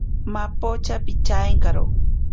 Mapocha pichaenkaro.